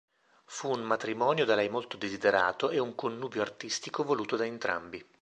Fu un matrimonio da lei molto desiderato e un connubio artistico voluto da entrambi.